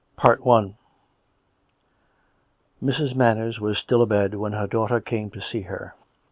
CHAPTER IX Mrs. Manners was still abed when her daughter came in to see her.